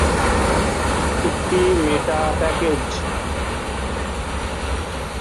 একটি meta package.